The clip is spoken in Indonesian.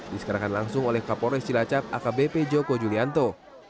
disekarakan langsung oleh pak pores cilacap akbp joko julianto